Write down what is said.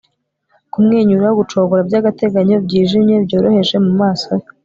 Kumwenyura gucogora byagateganyo byijimye byoroheje mu maso he